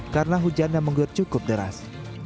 karena hujan yang menggur cukup deras